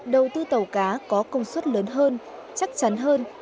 đầu tư tàu cá có công suất lớn hơn chắc chắn hơn